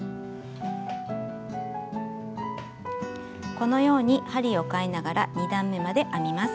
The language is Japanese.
このように針をかえながら２段めまで編みます。